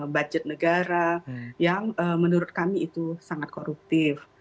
budget negara yang menurut kami itu sangat koruptif